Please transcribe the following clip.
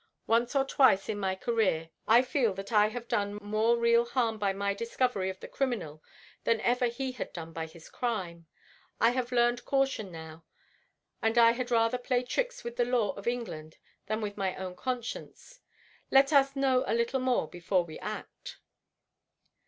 Once or twice in my career I feel that I have done more real harm by my discovery of the criminal than ever he had done by his crime. I have learned caution now, and I had rather play tricks with the law of England than with my own conscience. Let us know a little more before we act."